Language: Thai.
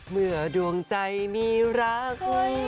เหมือนดวงใจมีรัก